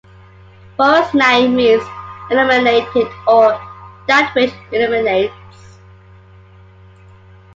"Forosnai" means "illuminated" or "that which illuminates".